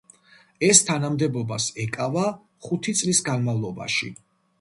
ეს თანამდებობას ეკავა ხუთი წლის განმავლობაში.